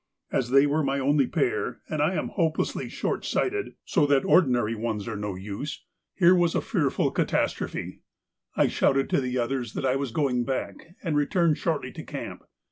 As they were my only pair and I am hopelessly short sighted, so that ordinary ones are no use, here was a fearful catastrophe! I shouted to the others that I was going back, and returned shortly to camp.